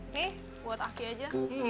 nih buat aki aja